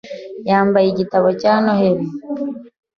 Yampaye igitabo cya Noheri .